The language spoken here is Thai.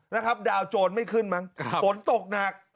นะครับดาวโจรไม่ขึ้นมั้งฝนตกหนัก